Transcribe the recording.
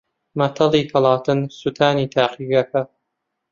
مەتەڵی ھەڵاتن: سووتانی تاقیگەکە